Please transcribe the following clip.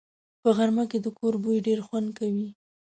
په غرمه کې د کور بوی ډېر خوند کوي